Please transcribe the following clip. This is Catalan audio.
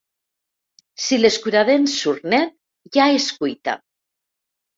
Si l’escuradents surt net, ja és cuita.